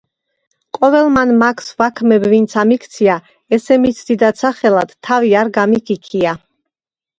ყოველმან მაქვს ვაქმებ ვინცა მიქცია ესე მიჩს დიდად სახელად არ თავი გამიქიქია